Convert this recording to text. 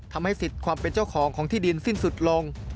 ทำให้สิทธิ์ความเป็นเจ้าของของที่ดินสิ้นสุดลง